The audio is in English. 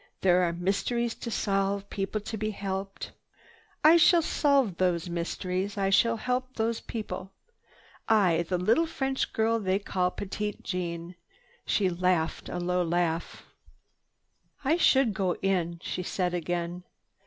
There are mysteries to solve, people to be helped. I shall solve those mysteries. I shall help those people. I—the little French girl they call Petite Jeanne!" She laughed a low laugh. "I should go in," she said again.